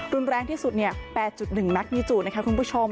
รุนแรงที่สุด๘๑นัดนิจูนะคะคุณผู้ชม